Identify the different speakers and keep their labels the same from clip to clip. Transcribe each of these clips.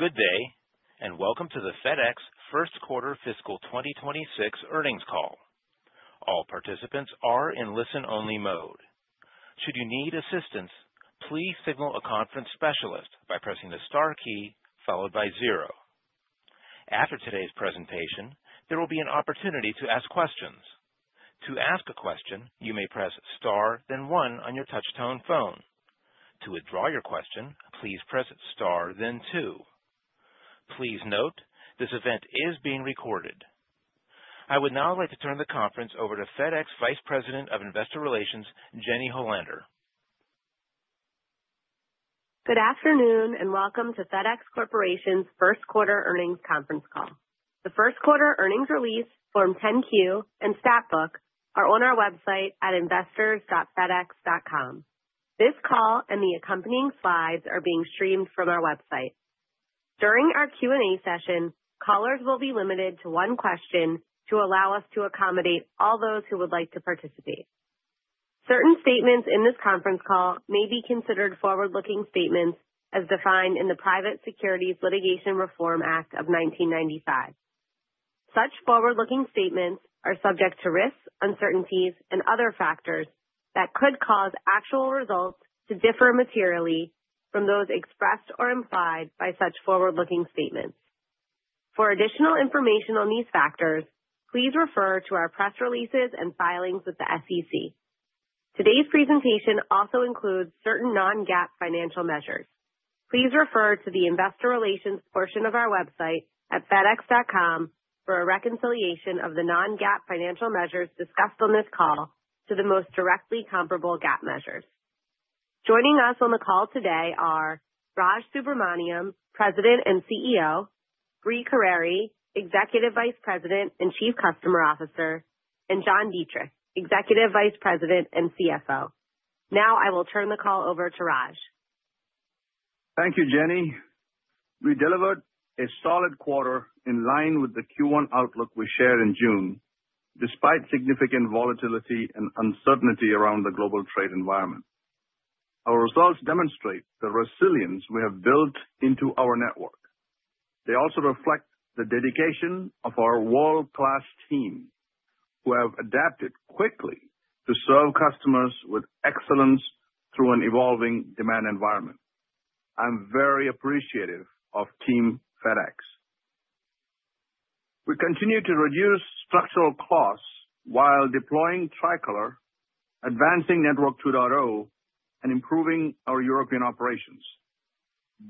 Speaker 1: Good day, and welcome to the FedEx first quarter fiscal 2026 earnings call. All participants are in listen-only mode. Should you need assistance, please signal a conference specialist by pressing the star key followed by zero. After today's presentation, there will be an opportunity to ask questions. To ask a question, you may press star, then one on your touch-tone phone. To withdraw your question, please press star, then two. Please note, this event is being recorded. I would now like to turn the conference over to FedEx Vice President of Investor Relations, Jenifer Hollander.
Speaker 2: Good afternoon, and welcome to FedEx Corporation's first quarter earnings conference call. The first quarter earnings release, Form 10-Q, and Stat Book are on our website at investors.fedex.com. This call and the accompanying slides are being streamed from our website. During our Q&A session, callers will be limited to one question to allow us to accommodate all those who would like to participate. Certain statements in this conference call may be considered forward-looking statements as defined in the Private Securities Litigation Reform Act of 1995. Such forward-looking statements are subject to risks, uncertainties, and other factors that could cause actual results to differ materially from those expressed or implied by such forward-looking statements. For additional information on these factors, please refer to our press releases and filings with the SEC. Today's presentation also includes certain non-GAAP financial measures. Please refer to the investor relations portion of our website at fedex.com for a reconciliation of the non-GAAP financial measures discussed on this call to the most directly comparable GAAP measures. Joining us on the call today are Raj Subramaniam, President and CEO; Brie Carere, Executive Vice President and Chief Customer Officer; and John Dietrich, Executive Vice President and CFO. Now I will turn the call over to Raj.
Speaker 3: Thank you, Jenny. We delivered a solid quarter in line with the Q1 outlook we shared in June, despite significant volatility and uncertainty around the global trade environment. Our results demonstrate the resilience we have built into our network. They also reflect the dedication of our world-class team, who have adapted quickly to serve customers with excellence through an evolving demand environment. I'm very appreciative of Team FedEx. We continue to reduce structural costs while deploying Tricolor, advancing Network 2.0, and improving our European operations.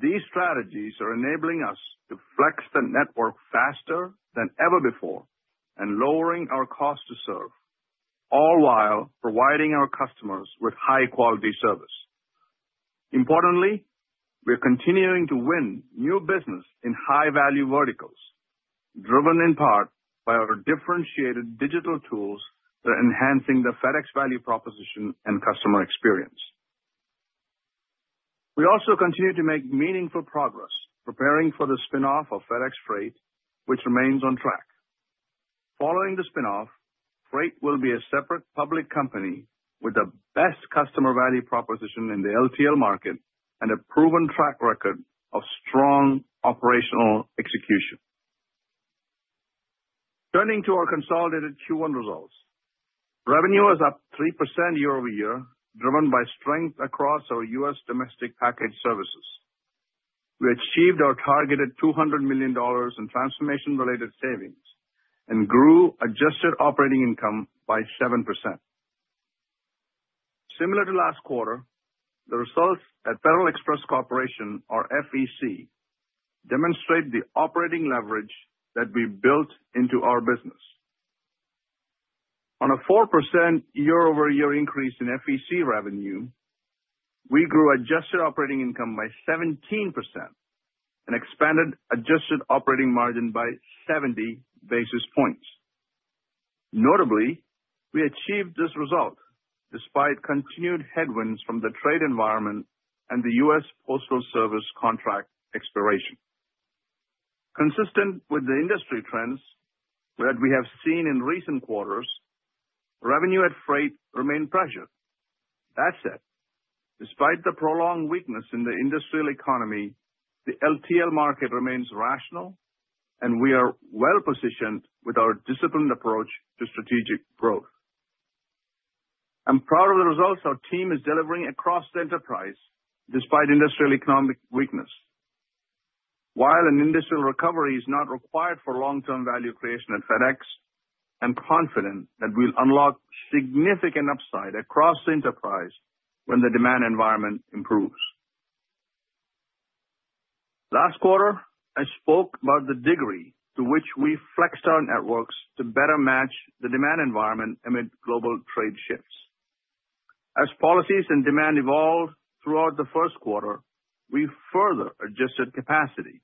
Speaker 3: These strategies are enabling us to flex the network faster than ever before and lowering our cost to serve, all while providing our customers with high-quality service. Importantly, we're continuing to win new business in high-value verticals, driven in part by our differentiated digital tools that are enhancing the FedEx value proposition and customer experience. We also continue to make meaningful progress, preparing for the spinoff of FedEx Freight, which remains on track. Following the spinoff, Freight will be a separate public company with the best customer value proposition in the LTL market and a proven track record of strong operational execution. Turning to our consolidated Q1 results, revenue is up 3% year-over-year, driven by strength across our U.S. domestic package services. We achieved our targeted $200 million in transformation-related savings and grew adjusted operating income by 7%. Similar to last quarter, the results at Federal Express Corporation, or FEC, demonstrate the operating leverage that we built into our business. On a 4% year-over-year increase in FEC revenue, we grew adjusted operating income by 17% and expanded adjusted operating margin by 70 basis points. Notably, we achieved this result despite continued headwinds from the trade environment and the U.S. Postal Service contract expiration. Consistent with the industry trends that we have seen in recent quarters, revenue at Freight remained pressured. That said, despite the prolonged weakness in the industrial economy, the LTL market remains rational, and we are well-positioned with our disciplined approach to strategic growth. I'm proud of the results our team is delivering across the enterprise, despite industrial economic weakness. While an industrial recovery is not required for long-term value creation at FedEx, I'm confident that we'll unlock significant upside across the enterprise when the demand environment improves. Last quarter, I spoke about the degree to which we flexed our networks to better match the demand environment amid global trade shifts. As policies and demand evolved throughout the first quarter, we further adjusted capacity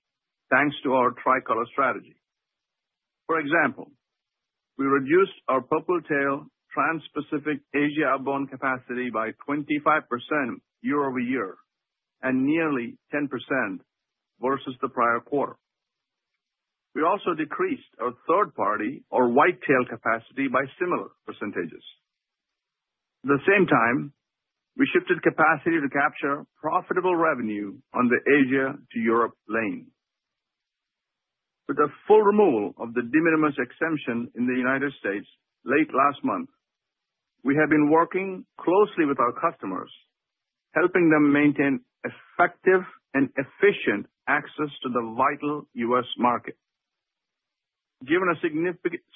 Speaker 3: thanks to our Tricolor strategy. For example, we reduced our Purple Tail Trans-Pacific Asia outbound capacity by 25% year over year and nearly 10% versus the prior quarter. We also decreased our third-party, or White Tail, capacity by similar percentages. At the same time, we shifted capacity to capture profitable revenue on the Asia to Europe lane. With the full removal of the de minimis exemption in the United States late last month, we have been working closely with our customers, helping them maintain effective and efficient access to the vital U.S. market. Given a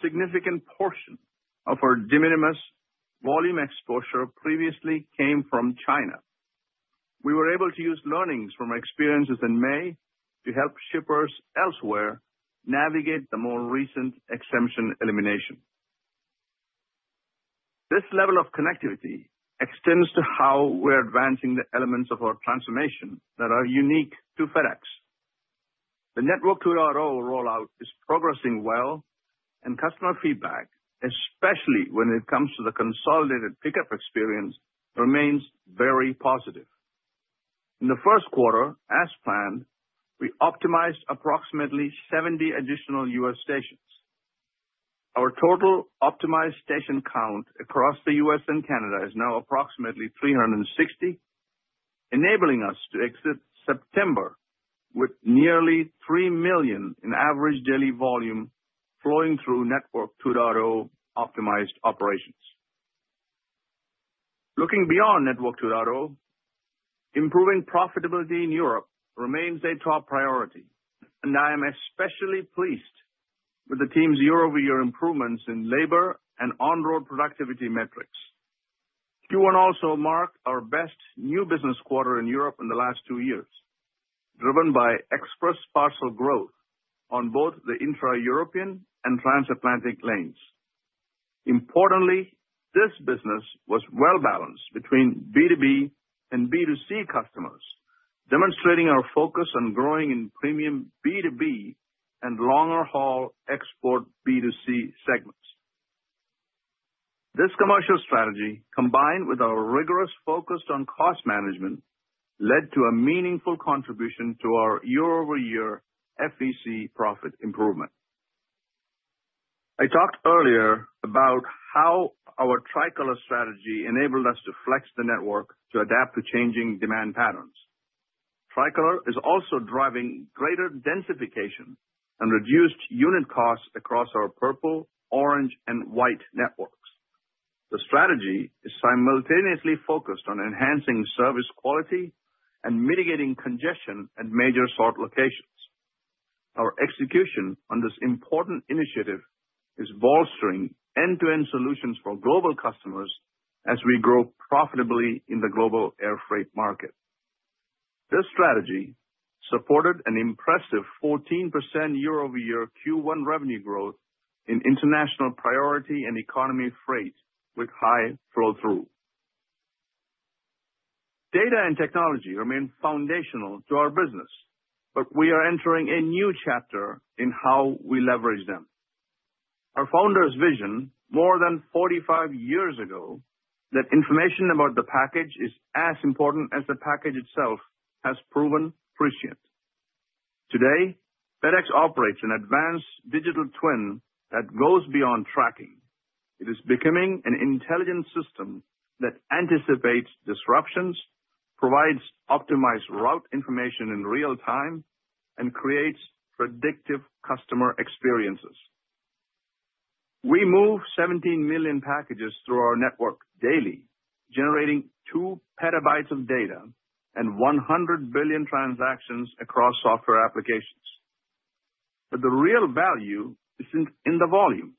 Speaker 3: significant portion of our de minimis volume exposure previously came from China, we were able to use learnings from our experiences in May to help shippers elsewhere navigate the more recent exemption elimination. This level of connectivity extends to how we're advancing the elements of our transformation that are unique to FedEx. The Network 2.0 rollout is progressing well, and customer feedback, especially when it comes to the consolidated pickup experience, remains very positive. In the first quarter, as planned, we optimized approximately 70 additional U.S. stations. Our total optimized station count across the U.S. and Canada is now approximately 360, enabling us to exit September with nearly 3 million in average daily volume flowing through Network 2.0 optimized operations. Looking beyond Network 2.0, improving profitability in Europe remains a top priority, and I am especially pleased with the team's year-over-year improvements in labor and on-road productivity metrics. Q1 also marked our best new business quarter in Europe in the last two years, driven by express parcel growth on both the intra-European and transatlantic lanes. Importantly, this business was well-balanced between B2B and B2C customers, demonstrating our focus on growing in premium B2B and longer-haul export B2C segments. This commercial strategy, combined with our rigorous focus on cost management, led to a meaningful contribution to our year-over-year FEC profit improvement. I talked earlier about how our Tricolor strategy enabled us to flex the network to adapt to changing demand patterns. Tricolor is also driving greater densification and reduced unit costs across our Purple, Orange, and White networks. The strategy is simultaneously focused on enhancing service quality and mitigating congestion at major sort locations. Our execution on this important initiative is bolstering end-to-end solutions for global customers as we grow profitably in the global air freight market. This strategy supported an impressive 14% year-over-year Q1 revenue growth in international priority and economy freight with high flow-through. Data and technology remain foundational to our business, but we are entering a new chapter in how we leverage them. Our founders' vision, more than 45 years ago, that information about the package is as important as the package itself, has proven appreciated. Today, FedEx operates an advanced digital twin that goes beyond tracking. It is becoming an intelligent system that anticipates disruptions, provides optimized route information in real time, and creates predictive customer experiences. We move 17 million packages through our network daily, generating two petabytes of data and 100 billion transactions across software applications. But the real value isn't in the volume.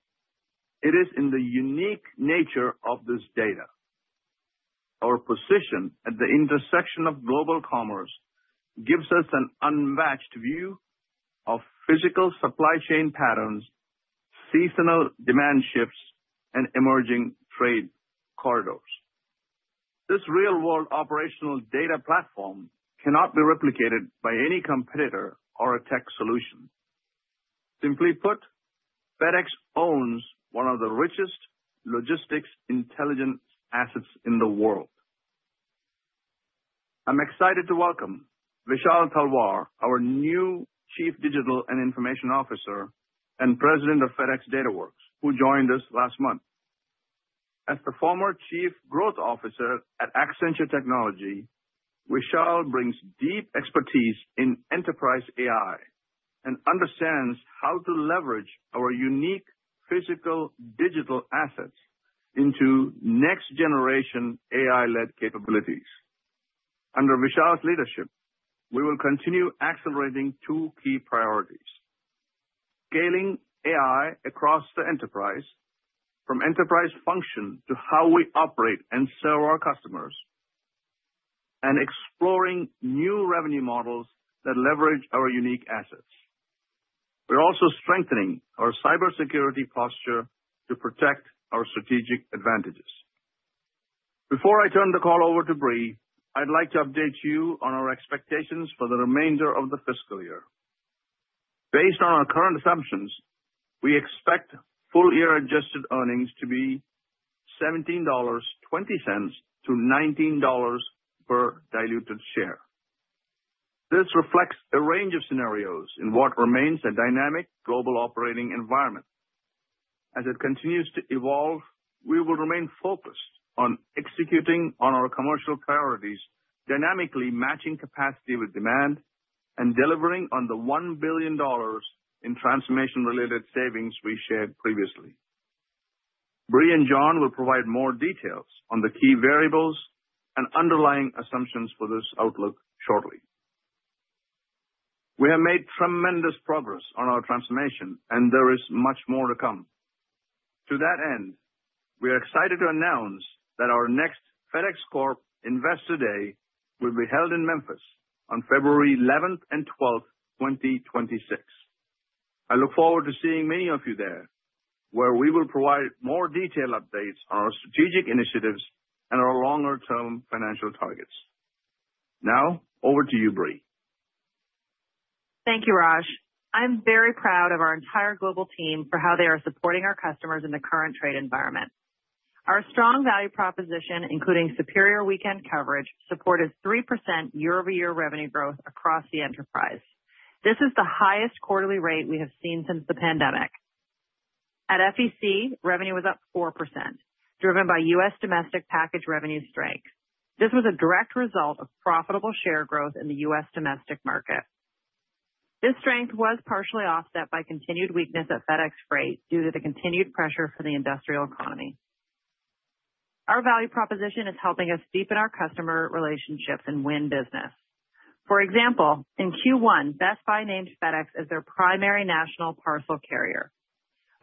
Speaker 3: It is in the unique nature of this data. Our position at the intersection of global commerce gives us an unmatched view of physical supply chain patterns, seasonal demand shifts, and emerging trade corridors. This real-world operational data platform cannot be replicated by any competitor or a tech solution. Simply put, FedEx owns one of the richest logistics intelligence assets in the world. I'm excited to welcome Vishal Talwar, our new Chief Digital and Information Officer and President of FedEx DataWorks, who joined us last month. As the former Chief Growth Officer at Accenture Technology, Vishal brings deep expertise in enterprise AI and understands how to leverage our unique physical digital assets into next-generation AI-led capabilities. Under Vishal's leadership, we will continue accelerating two key priorities: scaling AI across the enterprise, from enterprise function to how we operate and serve our customers, and exploring new revenue models that leverage our unique assets. We're also strengthening our cybersecurity posture to protect our strategic advantages. Before I turn the call over to Brie, I'd like to update you on our expectations for the remainder of the fiscal year. Based on our current assumptions, we expect full-year adjusted earnings to be $17.20-$19 per diluted share. This reflects a range of scenarios in what remains a dynamic global operating environment. As it continues to evolve, we will remain focused on executing on our commercial priorities, dynamically matching capacity with demand, and delivering on the $1 billion in transformation-related savings we shared previously. Brie and John will provide more details on the key variables and underlying assumptions for this outlook shortly. We have made tremendous progress on our transformation, and there is much more to come. To that end, we are excited to announce that our next FedEx Corp Investor Day will be held in Memphis on February 11th and 12th, 2026. I look forward to seeing many of you there, where we will provide more detailed updates on our strategic initiatives and our longer-term financial targets. Now, over to you, Brie.
Speaker 4: Thank you, Raj. I'm very proud of our entire global team for how they are supporting our customers in the current trade environment. Our strong value proposition, including superior weekend coverage, supported 3% year-over-year revenue growth across the enterprise. This is the highest quarterly rate we have seen since the pandemic. At FEC, revenue was up 4%, driven by U.S. domestic package revenue strength. This was a direct result of profitable share growth in the U.S. domestic market. This strength was partially offset by continued weakness at FedEx Freight due to the continued pressure for the industrial economy. Our value proposition is helping us deepen our customer relationships and win business. For example, in Q1, Best Buy named FedEx as their primary national parcel carrier.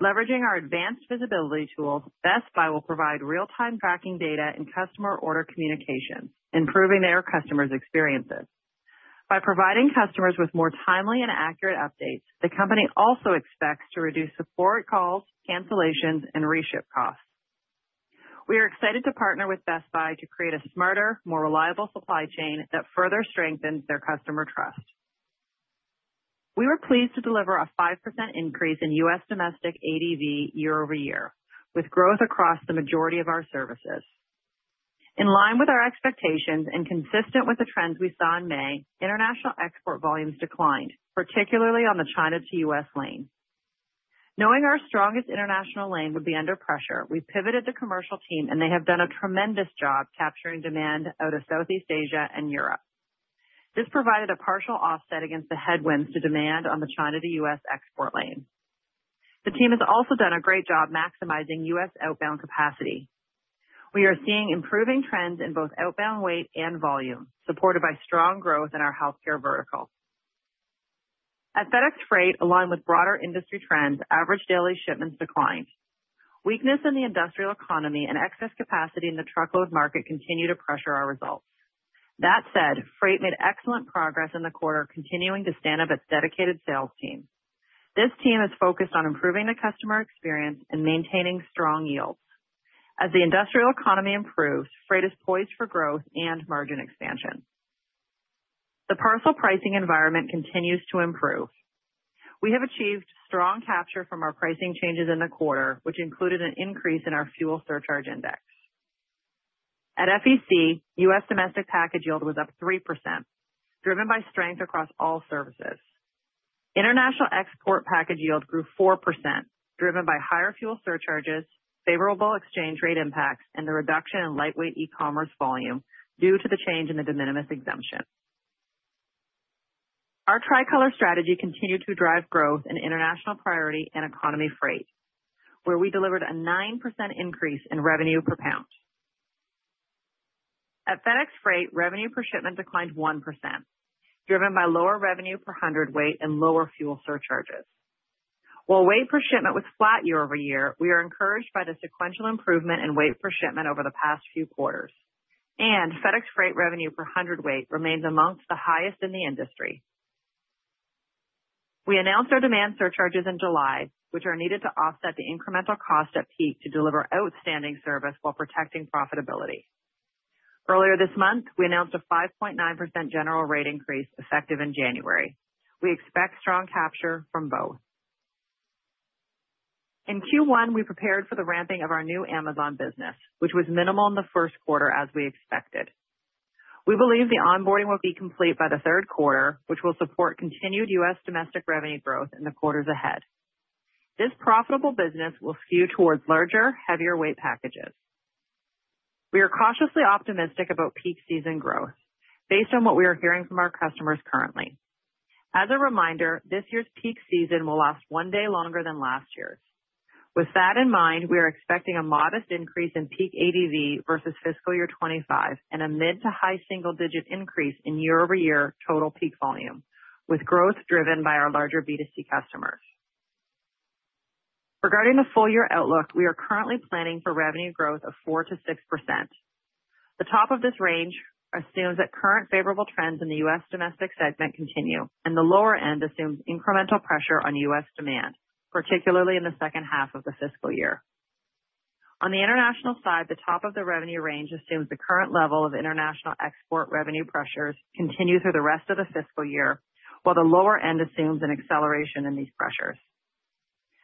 Speaker 4: Leveraging our advanced visibility tools, Best Buy will provide real-time tracking data and customer order communications, improving their customers' experiences. By providing customers with more timely and accurate updates, the company also expects to reduce support calls, cancellations, and reship costs. We are excited to partner with Best Buy to create a smarter, more reliable supply chain that further strengthens their customer trust. We were pleased to deliver a 5% increase in U.S. domestic ADV year-over-year, with growth across the majority of our services. In line with our expectations and consistent with the trends we saw in May, international export volumes declined, particularly on the China to U.S. lane. Knowing our strongest international lane would be under pressure, we pivoted the commercial team, and they have done a tremendous job capturing demand out of Southeast Asia and Europe. This provided a partial offset against the headwinds to demand on the China to U.S. export lane. The team has also done a great job maximizing U.S. outbound capacity. We are seeing improving trends in both outbound weight and volume, supported by strong growth in our healthcare vertical. At FedEx Freight, along with broader industry trends, average daily shipments declined. Weakness in the industrial economy and excess capacity in the truckload market continue to pressure our results. That said, Freight made excellent progress in the quarter, continuing to stand up its dedicated sales team. This team is focused on improving the customer experience and maintaining strong yields. As the industrial economy improves, Freight is poised for growth and margin expansion. The parcel pricing environment continues to improve. We have achieved strong capture from our pricing changes in the quarter, which included an increase in our fuel surcharge index. At FEC, U.S. domestic package yield was up 3%, driven by strength across all services. International export package yield grew 4%, driven by higher fuel surcharges, favorable exchange rate impacts, and the reduction in lightweight e-commerce volume due to the change in the de minimis exemption. Our Tricolor strategy continued to drive growth in international priority and economy freight, where we delivered a 9% increase in revenue per pound. At FedEx Freight, revenue per shipment declined 1%, driven by lower revenue per hundredweight and lower fuel surcharges. While weight per shipment was flat year-over-year, we are encouraged by the sequential improvement in weight per shipment over the past few quarters. FedEx Freight revenue per hundredweight remains amongst the highest in the industry. We announced our Demand Surcharges in July, which are needed to offset the incremental cost at peak to deliver outstanding service while protecting profitability. Earlier this month, we announced a 5.9% General Rate Increase effective in January. We expect strong capture from both. In Q1, we prepared for the ramping of our new Amazon business, which was minimal in the first quarter, as we expected. We believe the onboarding will be complete by the third quarter, which will support continued U.S. domestic revenue growth in the quarters ahead. This profitable business will skew towards larger, heavier weight packages. We are cautiously optimistic about peak season growth, based on what we are hearing from our customers currently. As a reminder, this year's peak season will last one day longer than last year's. With that in mind, we are expecting a modest increase in peak ADV versus fiscal year 2025 and a mid to high single-digit increase in year-over-year total peak volume, with growth driven by our larger B2C customers. Regarding the full-year outlook, we are currently planning for revenue growth of 4%-6%. The top of this range assumes that current favorable trends in the U.S. domestic segment continue, and the lower end assumes incremental pressure on U.S. demand, particularly in the second half of the fiscal year. On the international side, the top of the revenue range assumes the current level of international export revenue pressures continue through the rest of the fiscal year, while the lower end assumes an acceleration in these pressures.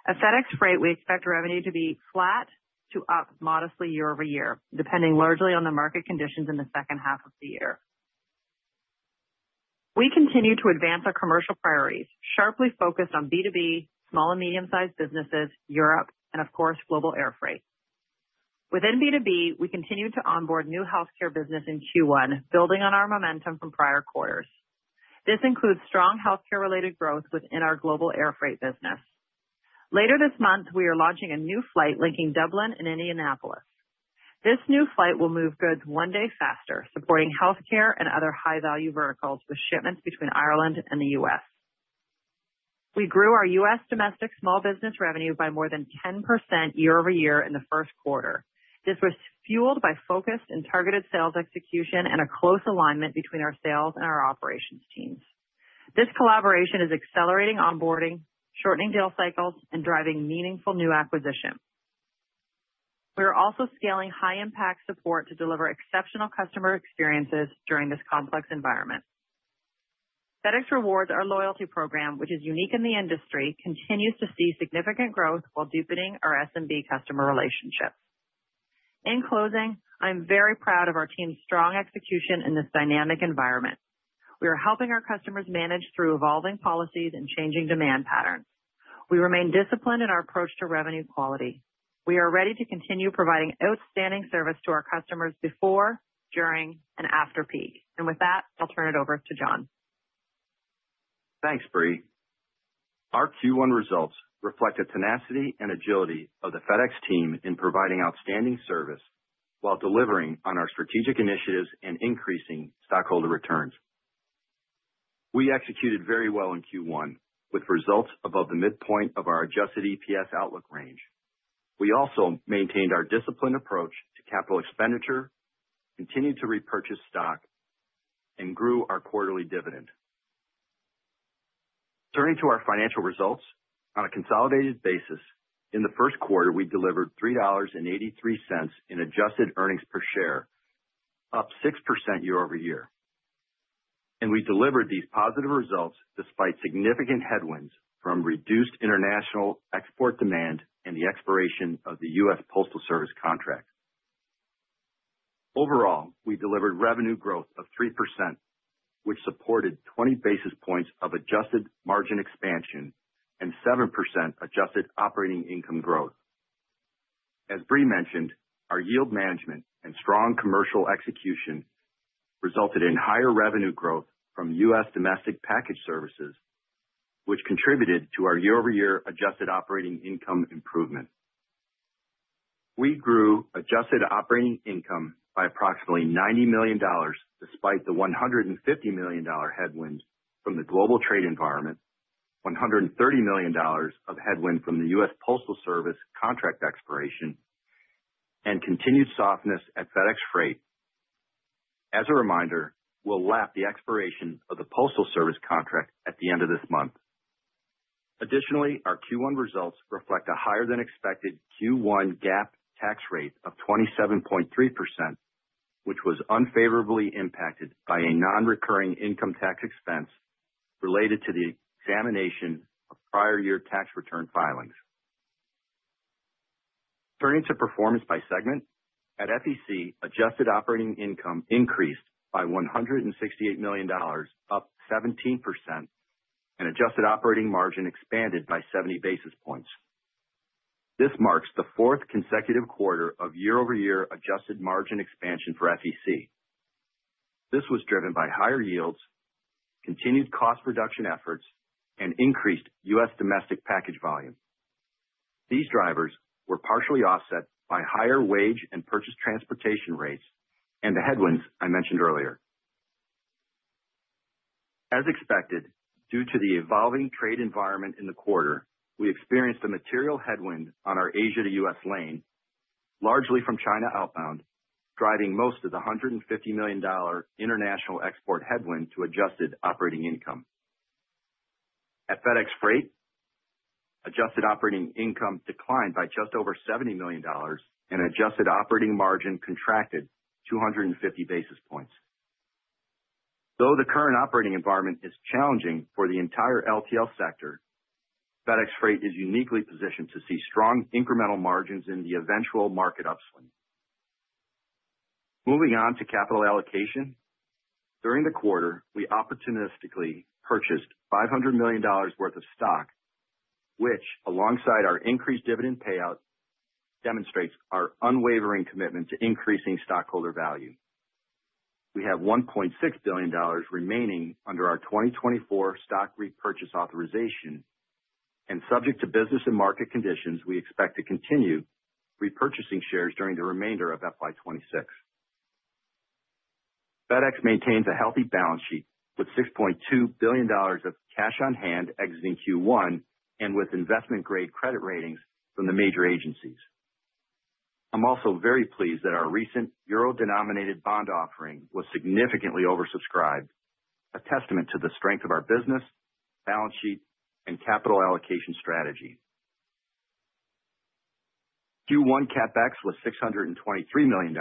Speaker 4: At FedEx Freight, we expect revenue to be flat to up modestly year-over-year, depending largely on the market conditions in the second half of the year. We continue to advance our commercial priorities, sharply focused on B2B, small and medium-sized businesses, Europe, and of course, global air freight. Within B2B, we continue to onboard new healthcare business in Q1, building on our momentum from prior quarters. This includes strong healthcare-related growth within our global air freight business. Later this month, we are launching a new flight linking Dublin and Indianapolis. This new flight will move goods one day faster, supporting healthcare and other high-value verticals with shipments between Ireland and the U.S. We grew our U.S. domestic small business revenue by more than 10% year-over-year in the first quarter. This was fueled by focused and targeted sales execution and a close alignment between our sales and our operations teams. This collaboration is accelerating onboarding, shortening deal cycles, and driving meaningful new acquisition. We are also scaling high-impact support to deliver exceptional customer experiences during this complex environment. FedEx Rewards, our loyalty program, which is unique in the industry, continues to see significant growth while deepening our SMB customer relationships. In closing, I'm very proud of our team's strong execution in this dynamic environment. We are helping our customers manage through evolving policies and changing demand patterns. We remain disciplined in our approach to revenue quality. We are ready to continue providing outstanding service to our customers before, during, and after peak, and with that, I'll turn it over to John.
Speaker 5: Thanks, Brie. Our Q1 results reflect the tenacity and agility of the FedEx team in providing outstanding service while delivering on our strategic initiatives and increasing stockholder returns. We executed very well in Q1, with results above the midpoint of our adjusted EPS outlook range. We also maintained our disciplined approach to capital expenditure, continued to repurchase stock, and grew our quarterly dividend. Turning to our financial results, on a consolidated basis, in the first quarter, we delivered $3.83 in adjusted earnings per share, up 6% year-over-year. And we delivered these positive results despite significant headwinds from reduced international export demand and the expiration of the U.S. Postal Service contract. Overall, we delivered revenue growth of 3%, which supported 20 basis points of adjusted margin expansion and 7% adjusted operating income growth. As Brie mentioned, our yield management and strong commercial execution resulted in higher revenue growth from U.S. domestic package services, which contributed to our year-over-year adjusted operating income improvement. We grew adjusted operating income by approximately $90 million despite the $150 million headwind from the global trade environment, $130 million of headwind from the U.S. Postal Service contract expiration, and continued softness at FedEx Freight. As a reminder, we'll lap the expiration of the Postal Service contract at the end of this month. Additionally, our Q1 results reflect a higher-than-expected Q1 GAAP tax rate of 27.3%, which was unfavorably impacted by a non-recurring income tax expense related to the examination of prior year tax return filings. Turning to performance by segment, at FEC, adjusted operating income increased by $168 million, up 17%, and adjusted operating margin expanded by 70 basis points. This marks the fourth consecutive quarter of year-over-year adjusted margin expansion for FEC. This was driven by higher yields, continued cost reduction efforts, and increased U.S. Domestic package volume. These drivers were partially offset by higher wage and purchased transportation rates and the headwinds I mentioned earlier. As expected, due to the evolving trade environment in the quarter, we experienced a material headwind on our Asia to U.S. lane, largely from China outbound, driving most of the $150 million international export headwind to adjusted operating income. At FedEx Freight, adjusted operating income declined by just over $70 million, and adjusted operating margin contracted 250 basis points. Though the current operating environment is challenging for the entire LTL sector, FedEx Freight is uniquely positioned to see strong incremental margins in the eventual market upswing. Moving on to capital allocation, during the quarter, we opportunistically purchased $500 million worth of stock, which, alongside our increased dividend payout, demonstrates our unwavering commitment to increasing stockholder value. We have $1.6 billion remaining under our 2024 stock repurchase authorization, and subject to business and market conditions, we expect to continue repurchasing shares during the remainder of FY26. FedEx maintains a healthy balance sheet with $6.2 billion of cash on hand exiting Q1 and with investment-grade credit ratings from the major agencies. I'm also very pleased that our recent euro-denominated bond offering was significantly oversubscribed, a testament to the strength of our business, balance sheet, and capital allocation strategy. Q1 CapEx was $623 million,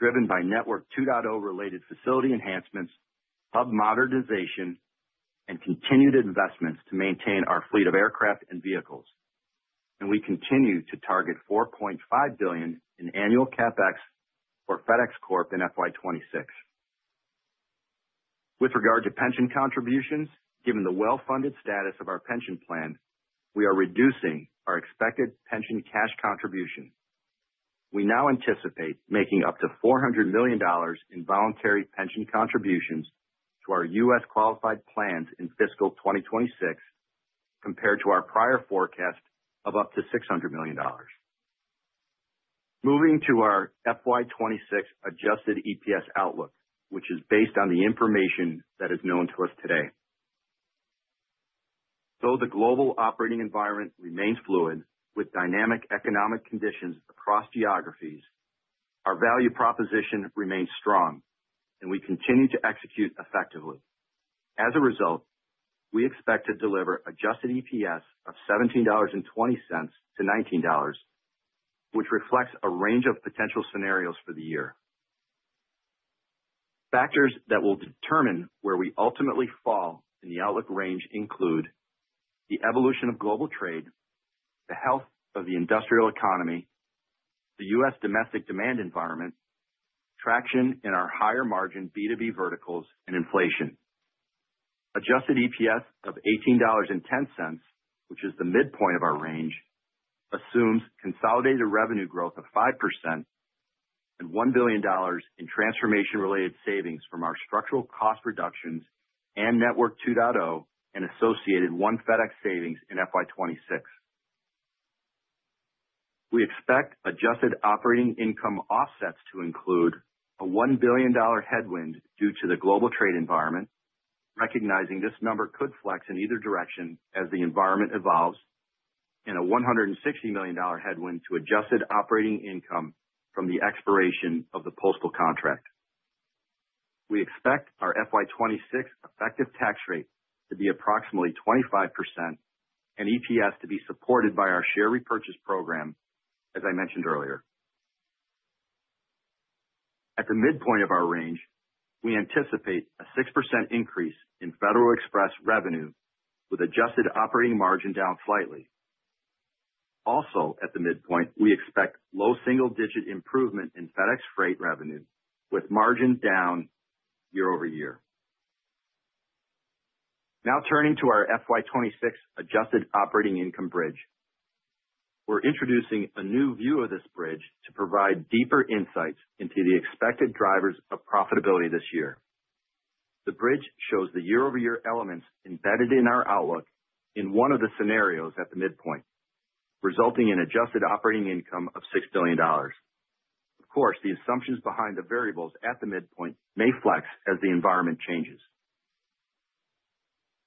Speaker 5: driven by Network 2.0-related facility enhancements, hub modernization, and continued investments to maintain our fleet of aircraft and vehicles. And we continue to target $4.5 billion in annual CapEx for FedEx Corp in FY26. With regard to pension contributions, given the well-funded status of our pension plan, we are reducing our expected pension cash contribution. We now anticipate making up to $400 million in voluntary pension contributions to our U.S. qualified plans in fiscal 2026, compared to our prior forecast of up to $600 million. Moving to our FY26 adjusted EPS outlook, which is based on the information that is known to us today. Though the global operating environment remains fluid, with dynamic economic conditions across geographies, our value proposition remains strong, and we continue to execute effectively. As a result, we expect to deliver adjusted EPS of $17.20-$19, which reflects a range of potential scenarios for the year. Factors that will determine where we ultimately fall in the outlook range include the evolution of global trade, the health of the industrial economy, the U.S. domestic demand environment, traction in our higher-margin B2B verticals, and inflation. Adjusted EPS of $18.10, which is the midpoint of our range, assumes consolidated revenue growth of 5% and $1 billion in transformation-related savings from our structural cost reductions and Network 2.0 and associated One FedEx savings in FY26. We expect adjusted operating income offsets to include a $1 billion headwind due to the global trade environment, recognizing this number could flex in either direction as the environment evolves, and a $160 million headwind to adjusted operating income from the expiration of the Postal Contract. We expect our FY26 effective tax rate to be approximately 25% and EPS to be supported by our share repurchase program, as I mentioned earlier. At the midpoint of our range, we anticipate a 6% increase in Federal Express revenue, with adjusted operating margin down slightly. Also, at the midpoint, we expect low single-digit improvement in FedEx Freight revenue, with margins down year-over-year. Now turning to our FY26 adjusted operating income bridge, we're introducing a new view of this bridge to provide deeper insights into the expected drivers of profitability this year. The bridge shows the year-over-year elements embedded in our outlook in one of the scenarios at the midpoint, resulting in adjusted operating income of $6 billion. Of course, the assumptions behind the variables at the midpoint may flex as the environment changes.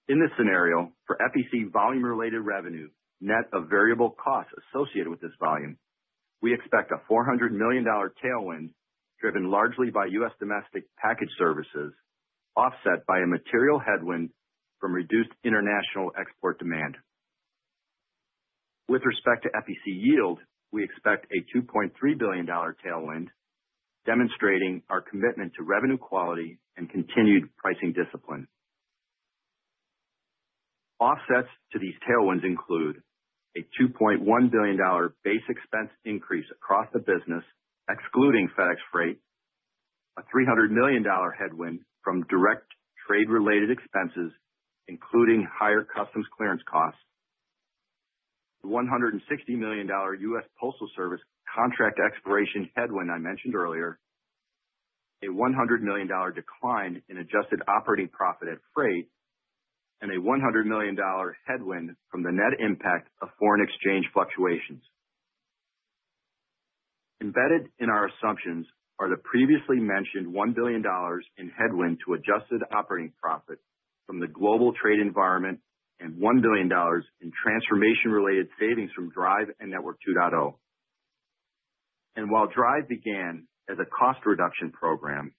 Speaker 5: In this scenario, for FEC volume-related revenue net of variable costs associated with this volume, we expect a $400 million tailwind driven largely by U.S. domestic package services, offset by a material headwind from reduced international export demand. With respect to FEC yield, we expect a $2.3 billion tailwind, demonstrating our commitment to revenue quality and continued pricing discipline. Offsets to these tailwinds include a $2.1 billion base expense increase across the business, excluding FedEx Freight, a $300 million headwind from direct trade-related expenses, including higher customs clearance costs, a $160 million U.S. Postal Service contract expiration headwind I mentioned earlier, a $100 million decline in adjusted operating profit at Freight, and a $100 million headwind from the net impact of foreign exchange fluctuations. Embedded in our assumptions are the previously mentioned $1 billion in headwind to adjusted operating profit from the global trade environment and $1 billion in transformation-related savings from Drive and Network 2.0, and while Drive began as a cost reduction program,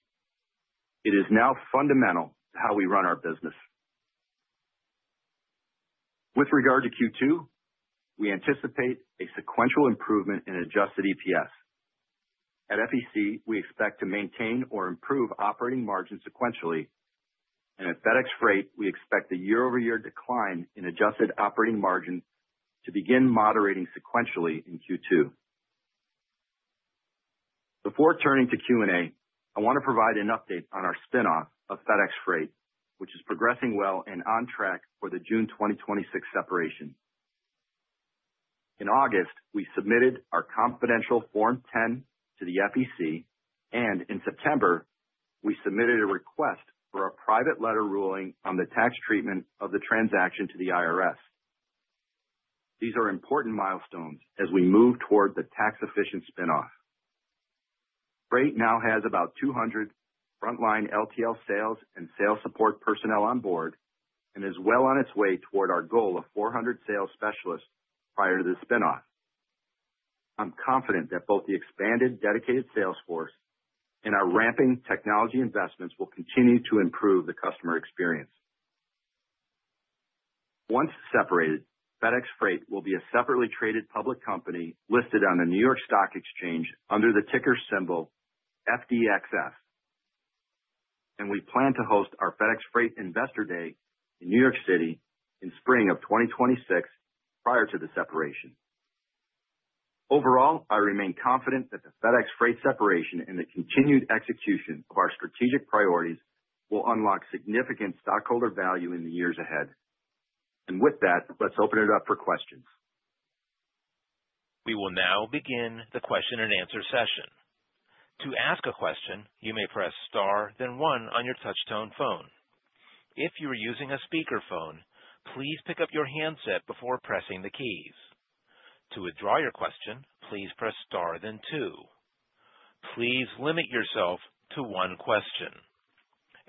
Speaker 5: it is now fundamental to how we run our business. With regard to Q2, we anticipate a sequential improvement in adjusted EPS. At FEC, we expect to maintain or improve operating margin sequentially, and at FedEx Freight, we expect the year-over-year decline in adjusted operating margin to begin moderating sequentially in Q2. Before turning to Q&A, I want to provide an update on our spinoff of FedEx Freight, which is progressing well and on track for the June 2026 separation. In August, we submitted our confidential Form 10 to the SEC, and in September, we submitted a request for a private letter ruling on the tax treatment of the transaction to the IRS. These are important milestones as we move toward the tax-efficient spinoff. Freight now has about 200 frontline LTL sales and sales support personnel on board and is well on its way toward our goal of 400 sales specialists prior to the spinoff. I'm confident that both the expanded dedicated sales force and our ramping technology investments will continue to improve the customer experience. Once separated, FedEx Freight will be a separately traded public company listed on the New York Stock Exchange under the ticker symbol FDXF, and we plan to host our FedEx Freight Investor Day in New York City in spring of 2026 prior to the separation. Overall, I remain confident that the FedEx Freight separation and the continued execution of our strategic priorities will unlock significant stockholder value in the years ahead. And with that, let's open it up for questions.
Speaker 1: We will now begin the question-and-answer session. To ask a question, you may press star, then one on your touchtone phone. If you are using a speakerphone, please pick up your handset before pressing the keys. To withdraw your question, please press star, then two. Please limit yourself to one question.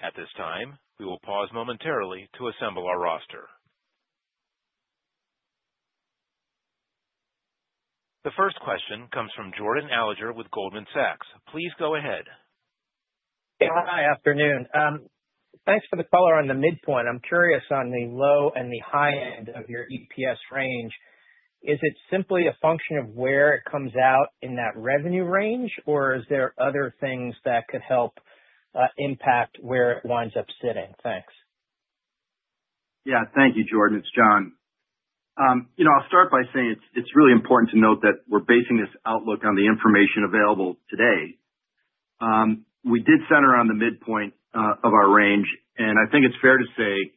Speaker 1: At this time, we will pause momentarily to assemble our roster. The first question comes from Jordan Alliger with Goldman Sachs. Please go ahead.
Speaker 6: Hey, hi, afternoon. Thanks for the call. We're on the midpoint. I'm curious on the low and the high end of your EPS range. Is it simply a function of where it comes out in that revenue range, or are there other things that could help impact where it winds up sitting? Thanks.
Speaker 5: Yeah, thank you, Jordan. It's John. I'll start by saying it's really important to note that we're basing this outlook on the information available today. We did center on the midpoint of our range, and I think it's fair to say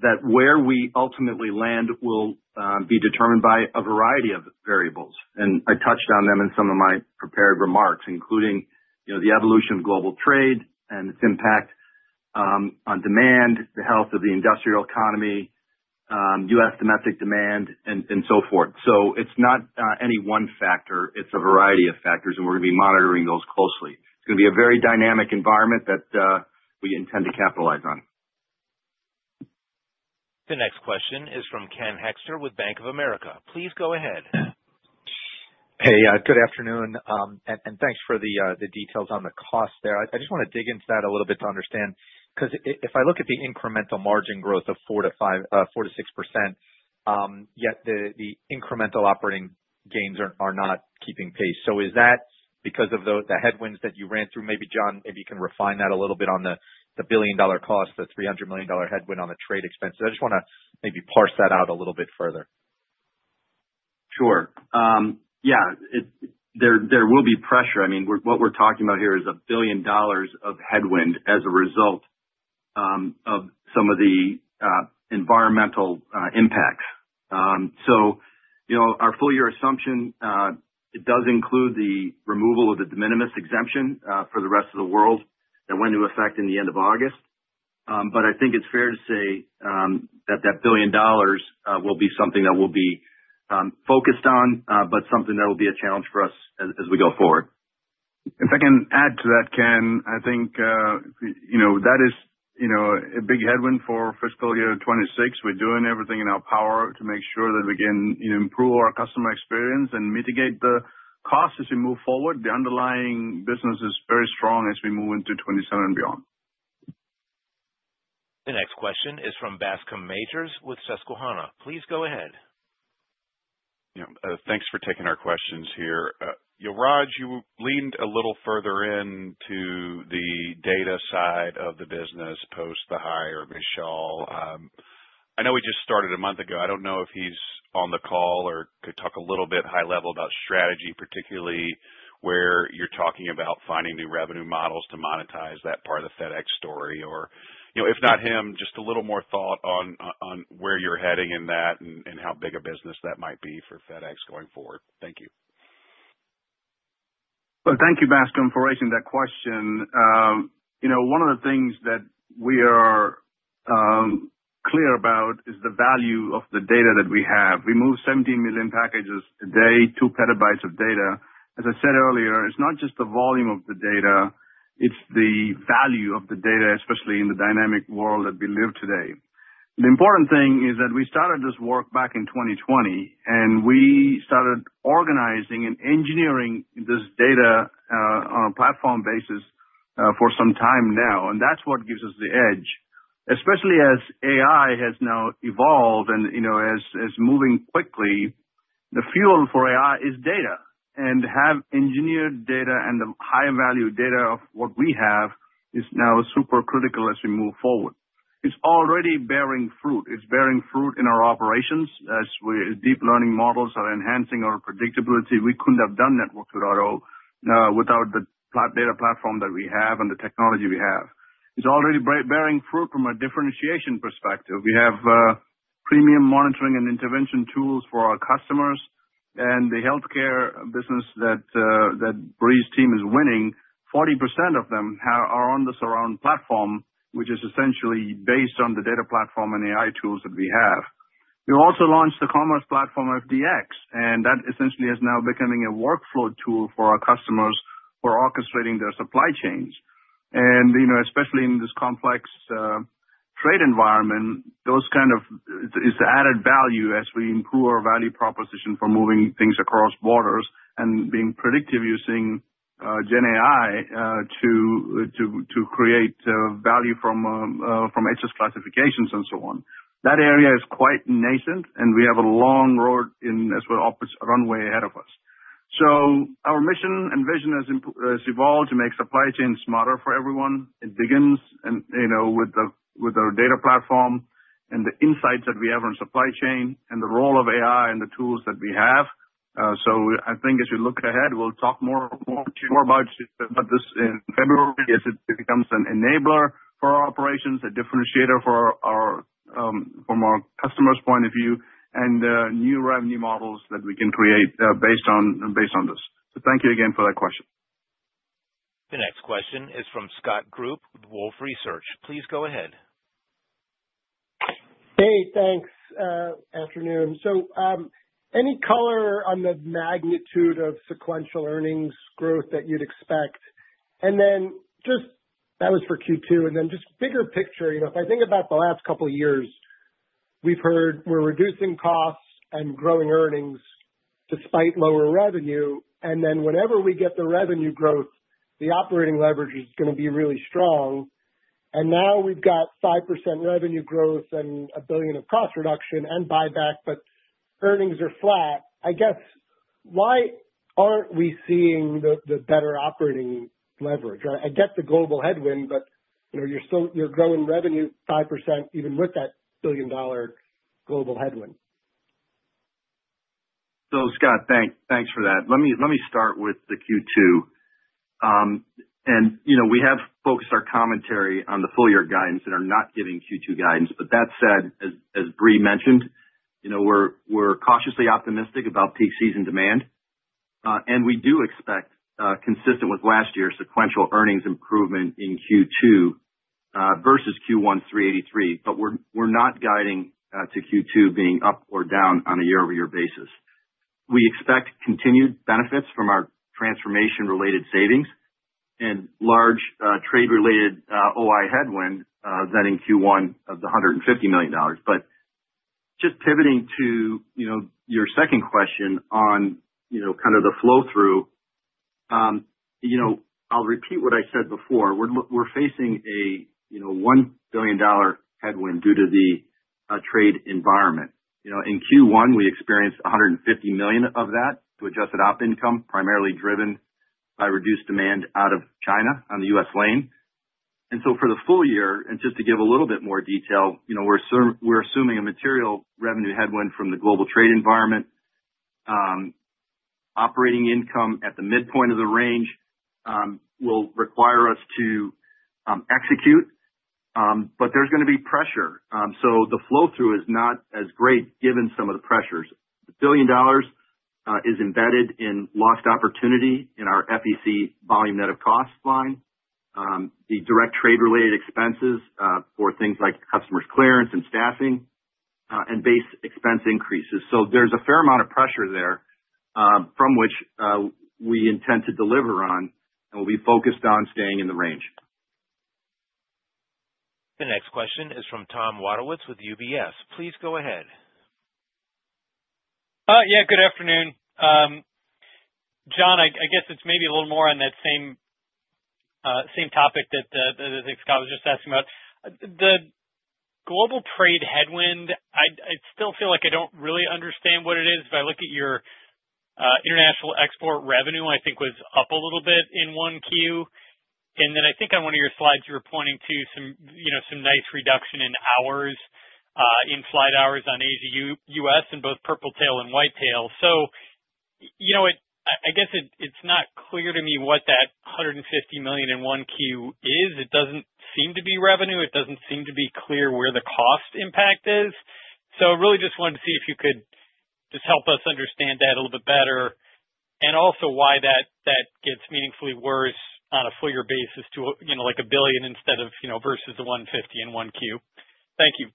Speaker 5: that where we ultimately land will be determined by a variety of variables. I touched on them in some of my prepared remarks, including the evolution of global trade and its impact on demand, the health of the industrial economy, U.S. domestic demand, and so forth. So it's not any one factor. It's a variety of factors, and we're going to be monitoring those closely. It's going to be a very dynamic environment that we intend to capitalize on.
Speaker 1: The next question is from Ken Hoexter with Bank of America. Please go ahead.
Speaker 7: Hey, good afternoon, and thanks for the details on the cost there. I just want to dig into that a little bit to understand, because if I look at the incremental margin growth of 4%-6%, yet the incremental operating gains are not keeping pace. So is that because of the headwinds that you ran through? Maybe, John, maybe you can refine that a little bit on the billion-dollar cost, the $300 million headwind on the trade expenses. I just want to maybe parse that out a little bit further.
Speaker 5: Sure. Yeah, there will be pressure. I mean, what we're talking about here is a billion dollars of headwind as a result of some of the environmental impacts. So our full-year assumption does include the removal of the de minimis exemption for the rest of the world that went into effect in the end of August. But I think it's fair to say that that billion dollars will be something that we'll be focused on, but something that will be a challenge for us as we go forward.
Speaker 3: If I can add to that, Ken, I think that is a big headwind for fiscal year 2026. We're doing everything in our power to make sure that we can improve our customer experience and mitigate the costs as we move forward. The underlying business is very strong as we move into 2027 and beyond.
Speaker 1: The next question is from Bascome Majors with Susquehanna. Please go ahead.
Speaker 8: Thanks for taking our questions here. Raj, you leaned a little further into the data side of the business post the hire, Vishal. I know we just started a month ago. I don't know if he's on the call or could talk a little bit high level about strategy, particularly where you're talking about finding new revenue models to monetize that part of the FedEx story. Or if not him, just a little more thought on where you're heading in that and how big a business that might be for FedEx going forward. Thank you.
Speaker 3: Thank you, Bascome, for raising that question. One of the things that we are clear about is the value of the data that we have. We move 17 million packages a day, two petabytes of data. As I said earlier, it's not just the volume of the data, it's the value of the data, especially in the dynamic world that we live today. The important thing is that we started this work back in 2020, and we started organizing and engineering this data on a platform basis for some time now. That's what gives us the edge, especially as AI has now evolved and is moving quickly. The fuel for AI is data. To have engineered data and the high-value data of what we have is now super critical as we move forward. It's already bearing fruit. It's bearing fruit in our operations as deep learning models are enhancing our predictability. We couldn't have done Network 2.0 without the data platform that we have and the technology we have. It's already bearing fruit from a differentiation perspective. We have premium monitoring and intervention tools for our customers. And the healthcare business that Brie's team is winning, 40% of them are on the Surround platform, which is essentially based on the data platform and AI tools that we have. We also launched the commerce platform FDX, and that essentially is now becoming a workflow tool for our customers for orchestrating their supply chains. And especially in this complex trade environment, those kind of is the added value as we improve our value proposition for moving things across borders and being predictive using GenAI to create value from HS classifications and so on. That area is quite nascent, and we have a long road as well as a runway ahead of us. So our mission and vision has evolved to make supply chains smarter for everyone. It begins with our data platform and the insights that we have on supply chain and the role of AI and the tools that we have. So I think as we look ahead, we'll talk more and more about this in February as it becomes an enabler for our operations, a differentiator from our customer's point of view, and new revenue models that we can create based on this. So thank you again for that question.
Speaker 1: The next question is from Scott Group with Wolfe Research. Please go ahead.
Speaker 9: Hey, thanks. Afternoon. So any color on the magnitude of sequential earnings growth that you'd expect? And then just that was for Q2. Just bigger picture, if I think about the last couple of years, we've heard we're reducing costs and growing earnings despite lower revenue. Whenever we get the revenue growth, the operating leverage is going to be really strong. Now we've got 5% revenue growth and $1 billion of cost reduction and buyback, but earnings are flat. I guess why aren't we seeing the better operating leverage? I get the global headwind, but you're growing revenue 5% even with that $1 billion-dollar global headwind.
Speaker 5: Scott, thanks for that. Let me start with the Q2. We have focused our commentary on the full-year guidance and are not giving Q2 guidance. That said, as Brie mentioned, we're cautiously optimistic about peak season demand. We do expect, consistent with last year's sequential earnings improvement in Q2 versus Q1 $83 million, but we're not guiding to Q2 being up or down on a year-over-year basis. We expect continued benefits from our transformation-related savings and large trade-related OI headwind than in Q1 of the $150 million. Just pivoting to your second question on kind of the flow-through, I'll repeat what I said before. We're facing a $1 billion headwind due to the trade environment. In Q1, we experienced $150 million of that to adjusted op income, primarily driven by reduced demand out of China on the U.S. lane. For the full year, and just to give a little bit more detail, we're assuming a material revenue headwind from the global trade environment. Operating income at the midpoint of the range will require us to execute, but there's going to be pressure. So the flow-through is not as great given some of the pressures. The $1 billion is embedded in lost opportunity in our FEC volume net of cost line, the direct trade-related expenses for things like customs clearance and staffing, and base expense increases. So there's a fair amount of pressure there from which we intend to deliver on, and we'll be focused on staying in the range.
Speaker 1: The next question is from Tom Wadewitz with UBS. Please go ahead.
Speaker 10: Yeah, good afternoon. John, I guess it's maybe a little more on that same topic that Scott was just asking about. The global trade headwind, I still feel like I don't really understand what it is. If I look at your international export revenue, I think was up a little bit in 1Q. And then I think on one of your slides, you were pointing to some nice reduction in hours in flight hours on Asia U.S. in both Purple Tail and White Tail. So I guess it's not clear to me what that $150 million in one Q is. It doesn't seem to be revenue. It doesn't seem to be clear where the cost impact is. So I really just wanted to see if you could just help us understand that a little bit better and also why that gets meaningfully worse on a full-year basis to like $1 billion instead of versus the $150 million in one Q. Thank you.